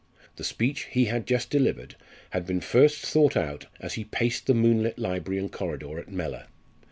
The speech he had just delivered had been first thought out as he paced the moonlit library and corridor at Mellor.